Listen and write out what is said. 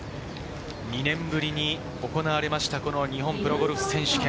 ２年ぶりに行われました、日本プロゴルフ選手権。